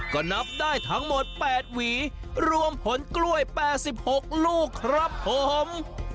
ก็นับได้ทั้งหมด๘หวีรวมผลกล้วย๘๖ลูกครับผม